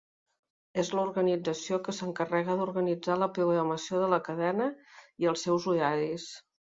És l'organització que s'encarrega d'organitzar la programació de la cadena i els seus horaris.